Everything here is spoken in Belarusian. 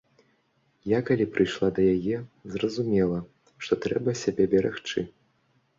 Я калі прыйшла да яе, зразумела, што трэба сябе берагчы.